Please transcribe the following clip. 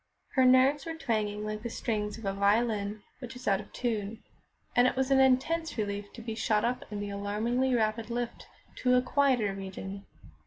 Her nerves were twanging like the strings of a violin which is out of tune, and it was an intense relief to be shot up in the alarmingly rapid lift to a quieter region.